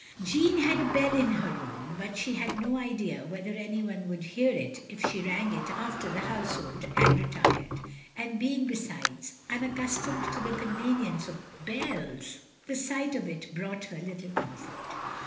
Jeanne had a bell in her room, but she had no idea whether any one would hear it if she rang it after the household had retired; and being, besides, unaccustomed to the convenience of bells, the sight of it brought her little comfort.